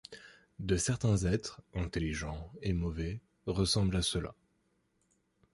De certains êtres, intelligents et mauvais, ressemblent à cela.